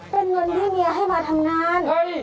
เป็นเงินที่เมียให้มาทำงาน